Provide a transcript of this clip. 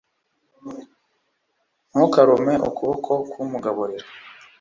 ntukarume ukuboko kukugaburira